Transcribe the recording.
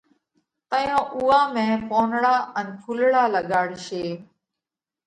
تئيون اُوئا ۾ پونَڙا ان ڦُولڙا لڳاڙشي۔